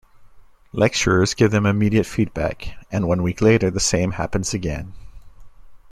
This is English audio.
Lecturers give them immediate feedback, and one week later, the same happens again.